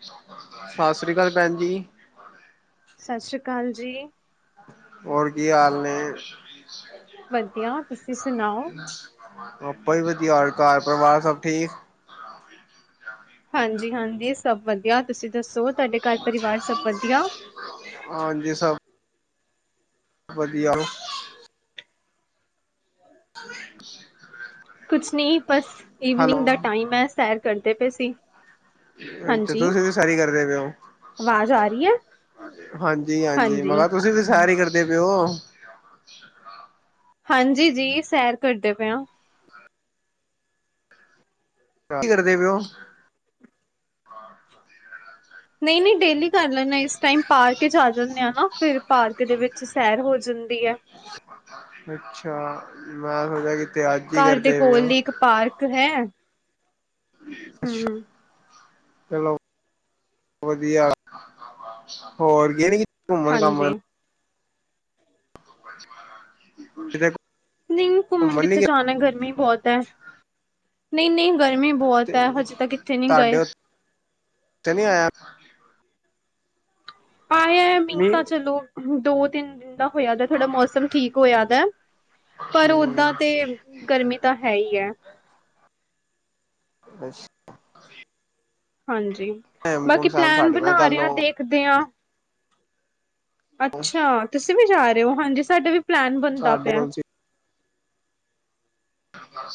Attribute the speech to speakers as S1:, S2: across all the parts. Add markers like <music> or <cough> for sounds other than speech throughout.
S1: ਸਤਿ ਸ੍ਰੀ ਅਕਾਲ ਭੈਣ ਜੀ
S2: ਸਤਿ ਸ਼੍ਰੀ ਅਕਾਲ ਜੀ
S1: ਹੋਰ ਕੀ ਹਾਲ ਨੇ?
S2: ਵਧੀਆ ਤੁਸੀਂ ਸੁਣਾਓ?
S1: ਆਪਾ ਵੀ ਵਧੀਆ ਹੋਰ ਘਰ ਪਰਿਵਾਰ ਸਭ ਠੀਕ?
S2: ਹਾਂਜੀ ਹਾਂਜੀ ਸਭ ਵਧੀਆ ਤੁਸੀਂ ਦੱਸੋ ਤੁਹਾਡੇ ਘਰ ਪਰਿਵਾਰ ਸਭ ਵਧੀਆ?
S1: ਹਾਂਜੀ ਸਭ ਵਧੀਆ। <inaudible>
S2: ਕੁਛ ਨਹੀਂ ਬਸ
S1: ਹੈਲੋ
S2: ਈਵਨਿੰਗ ਦਾ ਟਾਈਮ ਐ ਸੈਰ ਕਰਦੇ ਪਏ ਸੀ।
S1: ਅੱਛਾ,
S2: ਹਾਂਜੀ
S1: ਤੁਸੀਂ ਵੀ ਸ਼ਾਇਰੀ ਕਰਦੇ ਪਏ ਹੋ।
S2: ਆਵਾਜ਼ ਆ ਰਹੀ ਹੈ
S1: ਹਾਂਜੀ-ਹਾਂਜੀ, ਮੈਂ
S2: ਹਾਂਜੀ
S1: ਕਿਹਾ ਤੁਸੀਂ ਵੀ ਸ਼ਾਇਰੀ ਕਰਦੇ ਪਏ ਓ।
S2: ਹਾਂਜੀ, ਜੀ ਸੈਰ ਕਰਦੇ ਪਏ ਆ।
S1: ਕੀ ਕਰਦੇ ਪਏ ਓ?
S2: ਨਹੀਂ ਨਹੀਂ, ਡੇਲੀ ਕਰ ਲੈਣੇ ਇਸ ਟਾਈਮ ਪਾਰਕ ਜਾ ਆ ਜਾਂਦੇ ਆ ਨਾ ਫਿਰ ਪਾਰਕ ਦੇ ਵਿੱਚ ਸੈਰ ਹੋ ਜਾਂਦੀ ਐ।
S1: ਅੱਛਾ, ਮੈਂ ਸੋਚਿਆ ਕਿਤੇ ਅੱਜ ਹੀ
S2: ਘਰ ਦੇ
S1: ਕਰਦੇ ਪਏ
S2: ਕੋਲ
S1: ਹੋ।
S2: ਹੀ ਇੱਕ ਪਾਰਕ ਹੈ
S1: ਅੱਛਾ।
S2: ਹਮ
S1: ਚਲੋ ਵਧੀਆ ਹੋਰ ਗਏ ਨੀ ਘੁੰਮਣ
S2: ਹਾਂਜੀ
S1: ਘਾਮਣ। <unintelligible>
S2: ਨਹੀਂ ਘੁੰਮਣ ਕਿੱਥ ਜਾਣਾ ਗਰਮੀ ਬਹੁਤ ਐ ਨਹੀਂ ਨਹੀਂ, ਗਰਮੀ
S1: ਗਏ
S2: ਬਹੁਤ ਐ ਹਜੇ ਤਾਂ ਕਿਤੇ ਨਹੀਂ ਗਏ।
S1: ਚ ਨਹੀਂ ਆਇਆ।
S2: ਆ ਮੀਂਹ ਤਾਂ ਚਲੋ ਦੋ ਤਿੰਨ ਦਿਨ ਦਾ ਹੋਇਆ ਥੋੜਾ ਮੌਸਮ ਠੀਕ ਹੋਇਆ ਦਾ। ਪਰ ਓਦਾਂ
S1: ਹੂੰ
S2: ਤੇ ਗਰਮੀ ਤਾਂ ਹੈਈ ਐ।
S1: ਅੱਛਾ।
S2: ਹਾਂਜੀ, ਬਾਕੀ
S1: ਹੇਮਕੁੰਟ ਸਾਹਿਬ
S2: ਪਲੈਨ
S1: ਸਾਡੇ ਨਾਲ
S2: ਬਣਾ
S1: ਚੱਲੋ
S2: ਰਿਹਾ ਦੇਖਦੇ ਹਾਂ। ਅੱਛਾ, ਤੁਸੀਂ ਵੀ ਜਾ ਰਹੇ ਹੋ ਹਾਂਜੀ ਸਾਡਾ ਵੀ ਪਲੈਨ ਬਣਦਾ
S1: ਸਾਡੇ
S2: ਪਿਆ।
S1: ਕੋਲ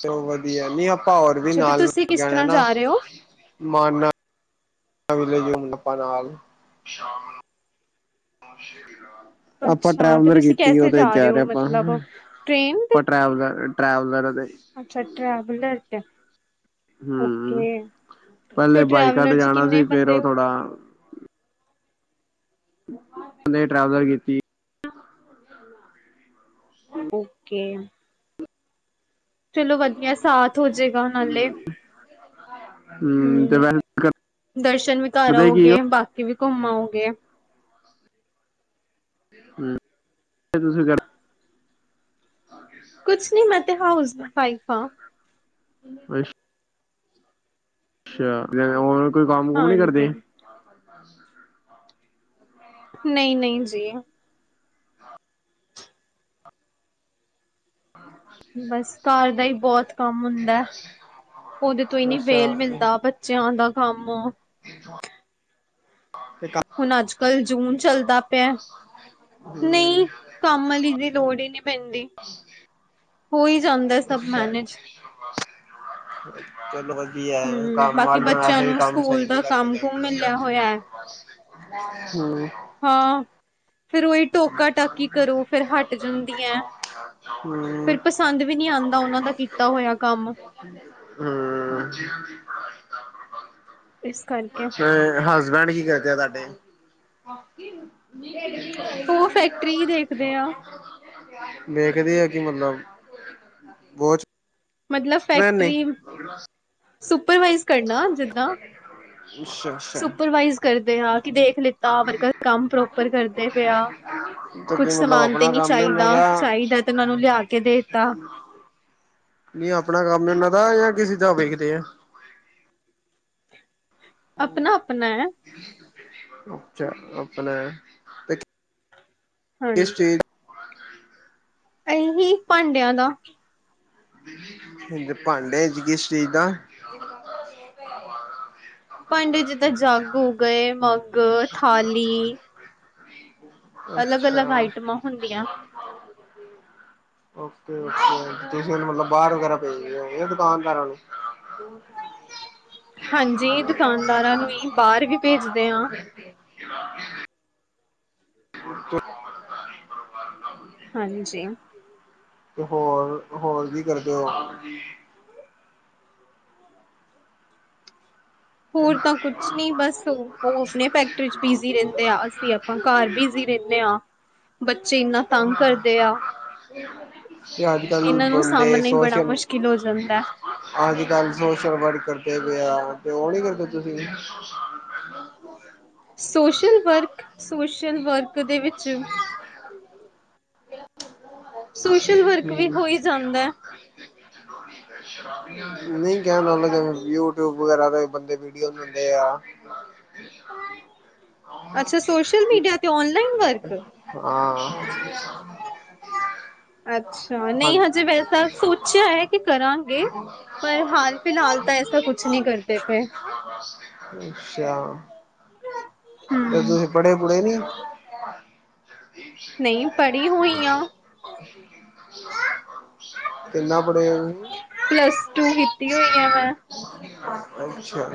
S1: ਚੱਲੋ ਵਧੀਆ ਨੀ ਆਪਾਂ ਹੋਰ ਵੀ
S2: ਅੱਛਾ ਤੇ
S1: ਨਾਲ <inaudible>
S2: ਤੁਸੀਂ ਕਿਸ ਤਰ੍ਹਾਂ ਜਾ ਰਹੇ ਹੋ
S1: <unintelligible> ਆਪਾਂ ਨਾਲ। ਆਪਾਂ
S2: ਅੱਛਾ ਤੇ
S1: ਟਰੈਵਲਰ
S2: ਤੁਸੀਂ
S1: ਕੀਤੀ
S2: ਕੈਸੇ
S1: ਉਹਦੇ
S2: ਰਹੇ
S1: ਜਾ
S2: ਹੋ
S1: ਰਿਹਾ ਆਪਾਂ।
S2: ਮਤਲਬ ਟ੍ਰੇਨ ਤੇ
S1: ਟਰੈਵਲਰ ਟਰੈਵਲਰ ਵਗੈਰਾ ਤੇ
S2: ਅੱਛਾ <unintelligible>
S1: ਹੂੰ
S2: ਓਕੇ
S1: ਪਹਿਲੇ
S2: ਫਿਰ
S1: ਬਾਈਕਾਂ
S2: ਟ੍ਰੈਵਲਰ
S1: ਤੇ
S2: ਚ
S1: ਜਾਣਾ
S2: ਕਿੰਨੇ
S1: ਸੀ ਫੇਰ
S2: ਬੰਦੇ।
S1: ਉਹ ਥੋੜਾ ਟਰੈਵਲਰ ਕੀਤੀ।
S2: ਓਕੇ। ਚਲੋ ਵਧੀਆ ਸਾਥ ਹੋਜੇਗਾ ਨਾਲੇ
S1: ਤੇ
S2: ਹੂੰ,
S1: ਵੈਸੇ
S2: ਦਰਸ਼ਨ ਵੀ ਕਰ
S1: ਕਰਦੇ ਕੀ ਹੋ
S2: ਆਓਗੇ ਬਾਕੀ ਵੀ ਘੁੰਮ ਆਓਗੇ।
S1: ਹੂੰ ਤੁਸੀਂ ਕਰ
S2: ਕੁਛ ਨੀ ਮੈਂ ਤੇ ਹਾਊਸ ਵਾਈਫ ਆ।
S1: ਅੱਛਾ ਅੱਛਾ, ਹੋਰ ਕੋਈ ਕੰਮ ਕੁਮ ਨੀ ਕਰਦੀ।
S2: ਹਾਂਜੀ ਨਹੀਂ ਨਹੀਂ ਜੀ। ਬਸ ਘਰ ਦਾ ਹੀ ਬਹੁਤ ਕੰਮ ਹੁੰਦਾ। ਉਹਦੇ ਤੋਂ ਹੀ ਨੀ
S1: ਅੱਛਾ
S2: ਵੇਲ ਮਿਲਦਾ ਬੱਚਿਆਂ ਦਾ ਕੰਮ।
S1: <inaudible> <unintelligible>
S2: ਹੁਣ ਅੱਜ ਕੱਲ੍ਹ ਜੂਨ ਚੱਲਦਾ ਪਿਆ।
S1: ਹੂੰ
S2: ਨਹੀਂ ਕੰਮ ਆਲੀ ਦੀ ਲੋੜ ਈ ਨੀ ਪੈਂਦੀ। ਹੋ ਹੀ ਜਾਂਦਾ ਸਭ
S1: <inaudible>
S2: ਮੈਨੇਜ।
S1: ਚਲੋ ਵਧੀਆ
S2: ਹੂੰ
S1: ਕੰਮ
S2: ਬਾਕੀ
S1: ਆਲੀਆਂ
S2: ਬੱਚਿਆਂ
S1: ਵੈਸੇ ਵੀ
S2: ਨੂੰ
S1: ਕੰਮ ਸਹੀ
S2: ਸਕੂਲ
S1: ਨੀ
S2: ਦਾ
S1: ਕਰਕੇ
S2: ਕੰਮ ਕੁਮ
S1: ਦਿੰਦੀਆਂ।
S2: ਮਿਲਿਆ ਹੋਇਆ ਹੈ
S1: ਹੂੰ,
S2: ਹਾਂ, ਫਿਰ ਉਹੀ ਟੋਕਾ ਟਾਕੀ ਕਰੋ ਫੇਰ ਹਟ ਜਾਂਦੀਆਂ।
S1: ਹੂੰ
S2: ਫਿਰ ਪਸੰਦ ਵੀ ਨਹੀਂ ਆਂਦਾ ਉਹਨਾਂ ਦਾ ਕੀਤਾ ਹੋਇਆ ਕੰਮ।
S1: ਹੂੰ,
S2: ਇਸ ਕਰਕੇ।
S1: ਤੇ ਹਸਬੈਂਡ ਕੀ ਕਰਦੇ ਆ ਤੁਹਾਡੇ?
S2: ਉਹ ਫੈਕਟਰੀ ਈ ਦੇਖਦੇ ਆ।
S1: <unintelligible> ਆ ਕਿ ਮਤਲਬ ਬਹੁਤ
S2: ਮਤਲਬ ਫੈਕਟਰੀ ਸੁਪਰਵਾਈਜ਼ ਕਰਨਾ ਜਿੱਦਾਂ
S1: ਅੱਛਾ ਅੱਛਾ
S2: ਸੁਪਰਵਾਈਜ਼ ਕਰਦੇ ਆਂ ਕਿ ਦੇਖ ਲ ਤਾਂ ਵਰਕਰ ਕੰਮ ਪ੍ਰੋਪਰ ਕਰਦੇ ਪੇ ਆ
S1: ਤਾਂ
S2: ਕੁਛ
S1: ਕੀ ਮਤਲਬ
S2: ਸਮਾਨ ਤੇ
S1: ਆਪਣਾ
S2: ਨੀ
S1: ਕੰਮ ਨੇ ਉਹਨਾਂ
S2: ਚਾਹੀਦਾ
S1: ਦਾ
S2: ਚਾਹੀਦਾ ਤੇ ਉਹਨਾਂ ਨੂੰ ਲਿਆ ਕੇ ਦੇਤਾ।
S1: ਨਹੀਂ ਆਪਣਾ ਕੰਮ ਏ ਉਹਨਾਂ ਦਾ ਜਾਂ ਕਿਸੇ ਦਾ ਵੇਖਦੇ ਆ?
S2: ਆਪਣਾ ਆਪਣਾ ਹੈ।
S1: ਅਛਾ ਆਪਣਾ ਹੈ।
S2: ਹਾਂਜੀ। ਐਹੀ ਭਾਂਡਿਆਂ ਦਾ।
S1: ਤੇ ਭਾਂਡੇ ਚ ਕਿਸ ਚੀਜ਼ ਦਾ? <inaudible>
S2: ਪਾਂਡੇ ਜਿੱਦਾਂ ਜੱਗ ਹੋ ਗਏ ਮੱਗ ਥਾਲੀ,
S1: <inaudible>
S2: ਅਲੱਗ ਅਲੱਗ ਆਈਟਮਾਂ ਹੁੰਦੀਆਂ।
S1: <inaudible> ਓਕੇ ਓਕੇ ਤੁਸੀ ਹੁਨ ਮਤਲਬ ਬਾਹਰ ਵਗੈਰਾ ਭੇਜਦੇ ਹੋ ਕੇ ਦੁਕਾਨਦਾਰਾਂ ਨੂੰ? <inaudible>
S2: ਹਾਂਜੀ ਦੁਕਾਨਦਾਰਾਂ ਨੂੰ ਈ ਬਾਹਰ ਵੀ ਭੇਜਦੇ ਆਂ।
S1: <unintelligible>
S2: ਹਾਂਜੀ।
S1: ਤੇ ਹੋਰ ਹੋਰ ਕੀ ਕਰਦੇ ਹੋ?
S2: ਹੋਰ ਤਾਂ ਕੁਛ ਨੀ ਬਸ ਉਹ ਆਪਣੇ ਫੈਕਟਰੀ ਚ ਬਿਜ਼ੀ ਰਹਿੰਦੇ ਆ ਅਸੀਂ ਅਪ ਆਪਾਂ ਘਾਰ ਰ ਬਿਜੀ ਰਹਿੰਦੇ ਆਂ ਬੱਚੇ ਇੰਨਾ ਤੰਗ ਕਰਦੇ ਆ।
S1: ਤੇ ਅੱਜ ਕੱਲ
S2: ਇਹਨਾਂ ਨੂੰ
S1: ਬੰਦੇ
S2: ਸਾਹਮਣੇ ਬੜਾ
S1: ਸੋਸ਼ਲ
S2: ਮੁਸ਼ਕਿਲ ਹੋ ਜਾਂਦਾ।
S1: ਅੱਜ ਕੱਲ ਸੋਸ਼ਲ ਵਰਕ ਕਰਦੇ ਪਏ ਆ ਤੇ ਉਹ ਨੀ ਕਰਦੇ ਤੁਸੀਂ?
S2: ਸੋਸ਼ਲ ਵਰਕ, ਸੋਸ਼ਲ ਵਰਕ ਦੇ ਵਿੱਚ ਸੋਸ਼ਲ ਵਰਕ ਵੀ
S1: ਹੂੰ,
S2: ਹੋ ਈ ਜਾਂਦਾ।
S1: ਨਹੀਂ ਕਹਿਣ ਦਾ ਮਤਲਬ ਜਿਵੇੰ ਯੂ ਟਿਊਬ, ਵਗੈਰਾ ਤੇ ਵੀ ਬੰਦੇ ਵੀਡਿਓ ਦੇਂਦੇ ਆ,
S2: ਅੱਛਾ ਸੋਸ਼ਲ ਮੀਡੀਆ ਤੇ ਔਨਲਾਈਨ ਵਰਕ
S1: <unintelligible>
S2: ਅੱਛਾ ਨਹੀਂ
S1: ਹਾਂਜੀ
S2: ਹਜੇ ਵੈਸਾ ਸੋਚਿਆ ਏ ਕਿ ਕਰਾਂਗੇ। ਪਰ ਹਾਲ ਫਿਲਹਾਲ ਤਾਂ ਐਸਾ ਕੁਛ ਨੀ ਕਰਦੇ ਪਏ।
S1: ਅੱਛਾ ਤੇ
S2: ਹਮ।
S1: ਤੁਸੀਂ ਪੜ੍ਹੇ ਪੁੜ੍ਹੇ ਨੀ? <inaudible>
S2: ਨਹੀਂ ਪੜ੍ਹੀ ਹੋਈ ਆ
S1: ਕਿੰਨਾ ਪੜੇ ਓ ਤੁਸੀ?
S2: ਪਲੱਸ ਟੂ ਕੀਤੀ ਹੋਈ ਆ ਮੈਂ।
S1: ਅੱਛਾ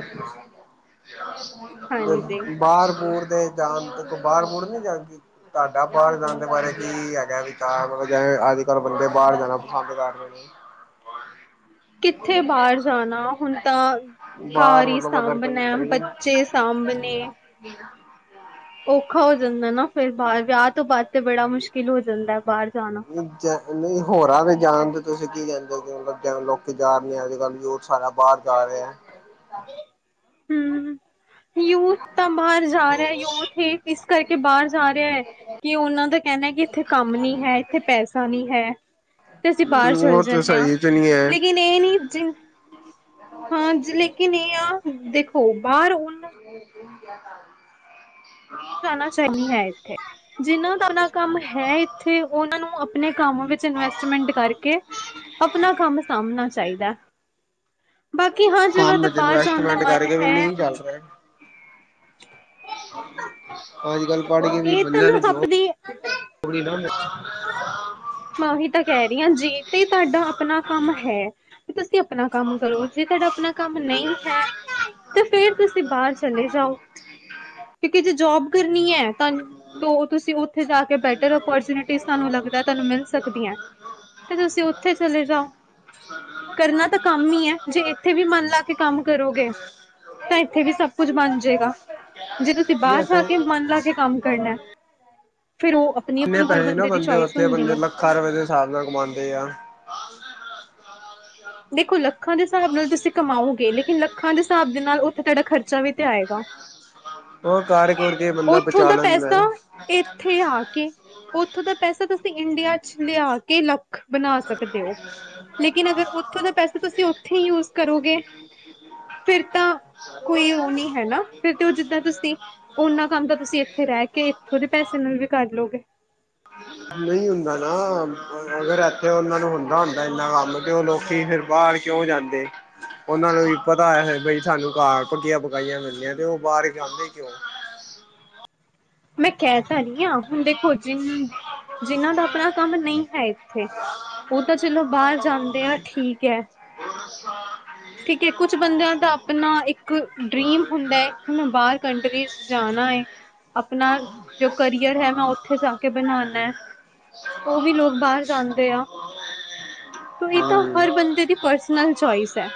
S2: ਹਾਂਜੀ
S1: ਬਾਹਰ ਬੂਰ ਦੇ ਜਾਣ ਬਾਹਰ ਬੂਰ ਨੀ ਜਾਂਦੇ ਤੁਹਾਡਾ ਬਾਹਰ ਜਾਣ ਦੇ ਬਾਰੇ ਕੀ ਹੈਗਾ ਵੀ ਮਤਲਬ ਜਵੇਂ ਅੱਜ ਕੱਲ੍ਹ ਬੰਦੇ ਬਾਹਰ ਜਾਣਾ ਪਸੰਦ ਕਰ ਰਹੇ ਨੇ।
S2: ਕਿੱਥੇ ਬਾਹਰ ਜਾਣਾ ਹੁਣ ਤਾ
S1: ਬਾਹਰ
S2: ਘਰ ਈ
S1: ਮਤਲਬ ਅਦਰ
S2: ਸਾਂਭਣਾ
S1: ਕੰਟਰੀ
S2: ਬੱਚੇ ਸਾਂਭਣੇ,
S1: <inaudible>
S2: ਔਖਾ ਹੋ ਜਾਂਦਾ ਨਾ ਫੇਰ ਬਾਹਰ ਵਿਆਹ ਤੋਂ ਬਾਅਦ ਤੇ ਬੜਾ ਮੁਸ਼ਕਿਲ ਹੋ ਜਾਂਦਾ ਬਾਹਰ ਜਾਣਾ।
S1: ਨਹੀਂ ਹੋਰਾਂ ਦੇ ਜਾਣ ਤੇ ਤੁਸੀਂ ਕੀ ਕਹਿੰਦੇ ਹੋ ਮਤਲਬ ਕੀ ਲੋਕੀ ਜਾ ਰਹੇ ਅੱਜ ਕੱਲ੍ਹ ਓਹ ਸਾਰਾ ਬਾਹਰ ਜਾ ਰਹੇ ਹੈ।
S2: <unintelligible> ਯੂਥ ਤਾਂ ਬਾਹਰ ਜਾ ਰਿਹਾ ਯੂਥ ਇਸ ਕਰਕੇ ਬਾਹਰ ਜਾ ਰਿਹਾ ਹੈ, ਕਿ ਉਹਨਾਂ ਦਾ ਕਹਿਣਾ ਹੈ ਕਿ ਇੱਥੇ ਕੰਮ ਨੀ ਹੈ ਇੱਥੇ ਪੈਸਾ ਨੀ ਹੈ। ਤੇ ਅਸੀਂ ਬਾਹਰ ਚਲ
S1: ਉਹ ਤਾਂ
S2: ਜਾਂਨੇ ਆਂ
S1: ਸਹੀ ਚ ਨਹੀਂ ਹੈ
S2: ਲੇਕਿਨ, <unintelligible> ਹਾਂਜੀ ਲੇਕਿਨ ਇਹ ਆ ਦੇਖੋ ਬਾਹਰ ਉਹ
S1: <inaudible>
S2: ਜਾਣਾ ਚਾਹੀਦੀ ਹੈ ਇੱਥੇ ਜਿੰਨਾਂ ਘਰ ਦਾ ਕੰਮ ਹੈ ਇੱਥੇ ਉਹਨਾਂ ਨੂੰ ਆਪਣੇ ਕੰਮ ਵਿਚ ਇਨਵੈਸਟਮੈਂਟ ਕਰਕੇ ਆਪਣਾ ਕੰਮ ਸਾਂਭਣਾ ਚਾਹੀਦਾ। ਬਾਕੀ ਹਾਂ ਜਿਹਨਾਂ
S1: ਕੰਮ
S2: ਦਾ
S1: ਚ
S2: ਬਾਹਰ ਜਾਣ ਦਾ
S1: ਇਨਵੈਸਟਮੈਂਟ
S2: ਮਨ
S1: ਕਰਕੇ ਵੀ
S2: ਹੈ
S1: ਨਹੀਂ ਚੱਲ ਸਕਦਾ। <inaudible> ਅੱਜ ਕੱਲ ਪੜ੍ਹ ਕੇ ਵੀ
S2: ਇਹ ਤਾਂ
S1: ਬੰਦਿਆਂ
S2: ਨਾ
S1: ਨੂੰ ਜੌਬ
S2: ਆਪਣੀ
S1: ਥੋਡੀ ਨਾ ਮਿਲ ਰੀ।
S2: ਮੈਂ ਉਹੀ ਤਾਂ ਕਹਿ ਰਹੀ ਹਾਂ ਜੀ ਤੇ ਤੁਹਾਡਾ ਆਪਣਾ ਕੰਮ ਹੈ। ਤੁਸੀਂ ਆਪਣਾ ਕੰਮ ਕਰੋ ਜੇ ਤੁਹਾਡਾ ਆਪਣਾ ਕੰਮ ਨਹੀਂ ਹੈ ਤੇ ਫੇਰ ਤੁਸੀਂ,, ਤੇ ਬਾਹਰ ਚਲੇ ਜਾਓ ਕਿਤੇ ਜੇ ਜੋਬ ਕਰਨੀ ਹੈ ਤੁਹਾਨੂੰ ਤੁਸੀਂ ਉੱਥੇ ਜਾ ਕੇ ਬੈਠੇ ਜੋ ਓਪੋਰਚੁਨਟਲੀ ਤੁਹਾਨੂੰ ਮਿਲ ਸਕਦੀਆਂ ਤੁਸੀਂ ਓਥੇ ਚਲੇ ਜਾਓ। ਕਰਨਾ ਤਾਂ ਕੰਮ ਹੀ ਹੈ ਜੇ ਇੱਥੇ ਵੀ ਮਨ ਲਾ ਕੇ ਕੰਮ ਕਰੋਗੇ। ਤਾਂ ਇੱਥੇ ਵੀ ਸਭ ਕੁਛ ਬਣ ਜਾਏਗਾ ਜੇ ਤੁਸੀਂ ਬਾਹਰ ਜਾ,,, ਕੇ ਮਨ
S1: ਰਹੀ।
S2: ਲਾ ਕੇ ਕੰਮ ਕਰਨਾ ਫਿਰ ਉਹ ਆਪਣੀ
S1: ਕਿੰਨੇ
S2: ਆਪਣੀ ਹਰ
S1: ਪੈਸੇ ਨਾ
S2: ਦੀ
S1: ਬੰਦੇ
S2: ਚੋਇਸ
S1: ਉੱਥੇ
S2: ਹੁੰਦੀ
S1: ਬੰਦੇ
S2: ਹੈ
S1: ਲੱਖਾਂ ਰੁਪਏ ਦੇ ਹਿਸਾਬ ਨਾਲ ਕਮਾਉਂਦੇ ਆ।
S2: ਦੇਖੋ ਲੱਖਾਂ ਦੇ ਹਿਸਾਬ ਨਾਲ ਤੁਸੀਂ ਕਮਾਓਗੇ ਲੇਕਿਨ ਲੱਖਾਂ ਦੇ ਹਿਸਾਬ ਦੇ ਨਾਲ ਉੱਥੇ ਤੁਹਾਡਾ ਖਰਚਾ ਵੀ ਤੇ ਆਏਗਾ।
S1: ਉਹ ਕਰ ਕੁਰ ਕੇ ਬੰਦਾ
S2: ਉਥੋਂ
S1: ਬਚਾ
S2: ਦਾ
S1: ਲੈਂਦਾ
S2: ਪੈਸਾ
S1: ਹੈ।
S2: ਇੱਥੇ ਆ ਕੇ ਉਥੋਂ ਦਾ ਪੈਸਾ ਤੁਸੀਂ ਇੰਡੀਆ ਚ ਲਿਆ ਕੇ ਲੱਖ ਬਣਾ ਸਕਦੇ ਹੋ। ਲੇਕਿਨ ਅਗਰ ਉੱਥੋਂ ਦਾ ਪੈਸਾ ਤੁਸੀਂ ਉੱਥੇ ਯੂਜ ਕਰੋਗੇ ਫਿਰ ਤਾਂ ਕੋਈ ਉਹ
S1: <inaudible>
S2: ਉਹਨਾਂ ਕੰਮ ਤਾਂ ਤੁਸੀਂ ਇੱਥੇ ਰਹਿ ਕੇ ਥੋੜੇ ਪੈਸੇ ਨਾਲ ਵੀ ਕਰ ਲਓਗੇ
S1: ਨਹੀਂ ਹੁੰਦਾ ਨਾ ਅਗਰ ਇੱਥੇ ਉਹਨਾਂ ਨੂੰ ਹੁੰਦਾ ਹੁੰਦਾ ਇੰਨਾ ਕੰਮ ਤੇ ਉਹ ਲੋਕ ਫਿਰ ਬਾਹਰ ਕਿਉਂ ਜਾਂਦੇ ਉਹਨਾਂ ਨੂੰ ਵੀ ਪਤਾ ਹੈ ਬਈ ਸਾਨੂੰ ਘਰ ਪੱਕੀਆਂ ਪਕਾਈਆਂ ਮਿਲਦੀਆਂ ਤੇ ਉਹ ਬਾਹਰ ਜਾਂਦੇ ਕਿਉਂ
S2: ਮੈਂ ਕਹਿ ਤਾਂ ਰਹੀ ਹਾਂ ਹੁਣ ਦੇਖੋ ਜਿ ਜਿੰਨਾਂ ਦਾ ਆਪਣਾ ਕੰਮ ਨਹੀਂ ਹੈ ਇੱਥੇ ਉਹ ਤਾਂ ਚਲੋ ਬਾਹਰ ਜਾਂਦੇ ਆ ਠੀਕ ਹੈ
S1: <inaudible>
S2: ਠੀਕ ਏ ਕੁੱਛ ਬੰਦਿਆਂ ਦਾ ਆਪਣਾ ਇੱਕ ਇੱਕ ਡ੍ਰਰੀਮ ਹੁੰਦਾ ਹੈ ਕਿ ਮੈਂ ਬਾਹਰ ਕੰਟਰੀਜ਼ ਜਾਣਾ ਹੈ ਆਪਣਾ
S1: ਹਮ।
S2: ਜੋ ਕਰੀਅਰ ਹੈ ਮੈਂ ਉੱਥੇ ਜਾ ਕੇ ਬਣਾਉਾਨ ਹੈ ਉਹ ਵੀ ਲੋਕ ਬਾਹਰ ਜਾਂਦੇ ਆ ਤੇ ਇਹ ਤਾਂ, ਹਰ ਬੰਦੇ ਦੀ ਪਰਸਨਲ ਚੋਇਸ ਹੈ।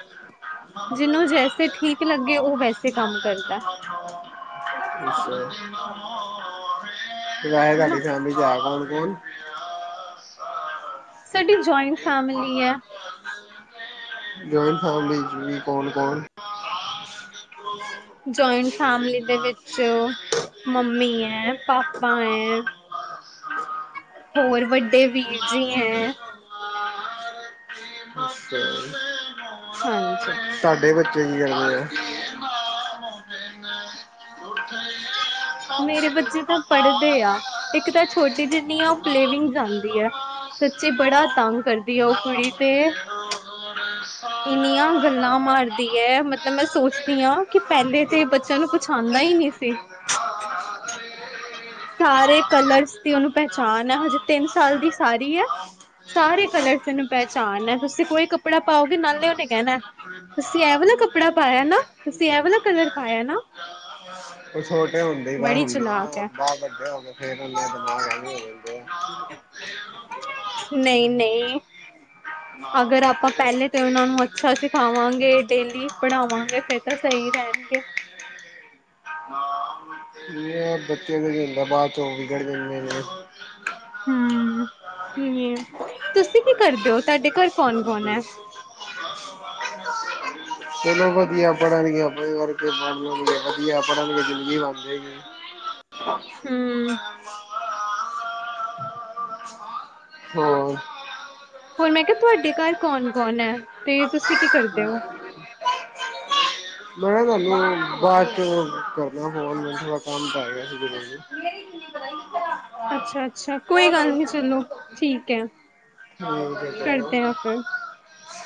S2: ਜਿਹਨੂੰ ਜੈਸੇ ਠੀਕ ਲੱਗੇ ਉਹ ਵੈਸੇ ਕੰਮ ਕਰਦਾ।
S1: ਅੱਛਾ ਤੁਹਾਡੀ
S2: ਹਨਾ।
S1: ਫੈਮਲੀ। ਗਿਆ ਕੌਣ ਕੌਣ
S2: ਸਾਡੀ ਜਆਇੰਟ ਫੈਮਿਲੀ ਹੈ।
S1: ਜਇੰਟ ਫੈਮਲੀ ਚ ਵੀ ਕੌਣ ਕੌਣ।
S2: ਜੁਇੰਟ ਫੈਮਲੀ, ਦੇ ਵਿੱਚ ਮੰਮੀ ਹੈ ਪਾਪਾ ਹੈ,
S1: <unintelligible>
S2: ਹੋਰ ਵੱਡੇ ਵੀਰ ਜੀ ਹੈ।
S1: ਭਾਰਤੀ ਮ ਚਲਣਾ
S2: ਹਾਂਜੀ
S1: ਤੁਹਾਡੇ ਬੱਚੇ ਕੀ ਕਰਦੇ ਆ। ਹੋਰ
S2: ਮੇਰੇ ਬੱਚੇ ਤਾਂ ਪੜ੍ਹਦੇ ਆ ਇੱਕ ਤਾਂ ਛੋਟੀ ਜਿੰਨੀ ਆ ਉਹ ਪਲੇਵਿੰਗ ਜਾਂਦੀ ਆ, ਸੱਚੀ ਬੜਾ ਤੰਗ ਕਰਦੀ ਆ ਉਹ ਕੁੜੀ ਤੇ ਇੰਨੀਆਂ ਗੱਲਾਂ ਮਾਰਦੀ ਹੈ ਮਤਲਬ ਮੈਂ ਸੋਚਦੀ ਹਾਂ ਕਿ ਪਹਿਲੇ ਤਾਂ ਬੱਚਿਆਂ ਨੂੰ ਕੁਛ ਆਉਂਦਾ ਹੀ ਨਹੀਂ। ਸਾਰੇ ਕਲਰਸ ਦੀ ਉਹਨੂੰ ਪਹਿਚਾਣ ਹੈ ਹਜੇ ਤਿੰਨ ਸਾਲ ਦੀ ਸਾਰੀ ਹੈ ਸਾਰੇ ਕਲਰ ਤੈਨੂੰ ਪਹਿਚਾਣ ਹੈ ਤੁਸੀਂ ਕੋਈ ਕੱਪੜਾ ਪਾਓ ਨਾਲੇ ਉਹਨੇ ਕਹਿਣਾ ਤੁਸੀਂ ਇਹ ਵਾਲਾ ਕੱਪੜਾ ਪਾਇਆ ਨਾ, ਤੁਸੀਂ ਇਹ ਵਾਲਾ ਕਲਰ ਪਾਇਆ ਨਾ।
S1: ਉਹ ਛੋਟੇ ਹੁੰਦੇ <unintelligible>
S2: ਬੜੀ
S1: ਹੁਣ ਨਾ
S2: ਚਲਾਕ ਹੈ
S1: ਬਾਹਰ ਵੱਡੇ ਹੋਗੇ ਫੇਰ ਉਹਨਾ ਦਿਮਾਗ ਐ <unintelligible>
S2: ਨਹੀਂ, ਨਹੀਂ, ਅਗਰ ਆਪਾਂ ਪਹਿਲੇ ਤੇ ਉਹਨਾਂ ਨੂੰ, ਅੱਛਾ ਸਿਖਾਵਾਂਗੇ ਡੇਲੀ ਪੜ੍ਹਾਵਾਂਗੇ, ਫੇਰ ਤਾਂ ਸਹੀ ਰਹਿਣਗੇ।
S1: ਬੱਤੀਦਾ ਬਾਅਦ ਚੌਵੀ ਗੜ੍ਹ ਜਾਂਦੇ ਨੇ, ਹਾਂ,
S2: ਹੂੰ, ਤੁਸੀਂ ਕੀ ਕਰਦੇ ਹੋ ਤੁਹਾਡੇ ਘਰ ਕੌਣ ਕੌਣ ਹੈ?
S1: <unintelligible> ਚਲੋ ਵਧੀਆ ਪੜ੍ਹਨਗੇ ਆਪਣੇ, ਵਰਗੇ ਬਣਨਗੇ, ਵਧੀਆ ਪੜਨਗੇ ਜ਼ਿੰਗੀ ਬਣ ਜਾ। <unintelligible>
S2: ਹੂੰ,
S1: ਹਾਂ,
S2: ਹੋਣ ਮੈਂ ਕਿਹਾ ਤੁਹਾਡੇ ਘਰ ਕੌਣ ਕੌਣ ਹੈ, ਤੇ ਤੁਸੀਂ ਕੀ ਕਰਦੇ ਹੋ?
S1: <unintelligible> ਮੈਂ ਕਿਹਾ ਤੁਹਾਨੂੰ ਬਾਅਦ ਚ ਕਰਨਾ ਫੋਨ ਮਨ <unintelligible> ਕੰਮ ਸੀ।
S2: ਅੱਛਾ-ਅੱਛਾ ਕੋਈ ਗੱਲ ਨੀ ਚਲੋ ਠੀਕ ਐ,
S1: ਉਹ
S2: ਕਰਦੇ
S1: ਹੋ
S2: ਆ ਫਿਰ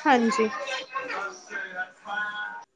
S2: ਹਾਂਜੀ,
S1: <unintelligible>